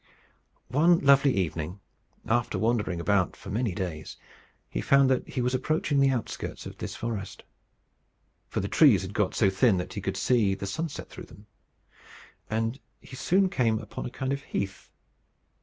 One lovely evening, after wandering about for many days, he found that he was approaching the outskirts of this forest; for the trees had got so thin that he could see the sunset through them; and he soon came upon a kind of heath.